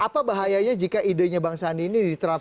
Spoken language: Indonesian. apa bahayanya jika idenya bang sandi ini diterapkan